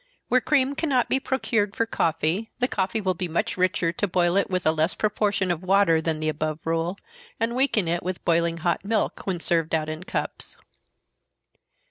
Where cream cannot be procured for coffee, the coffee will be much richer to boil it with a less proportion of water than the above rule, and weaken it with boiling hot milk, when served out in cups.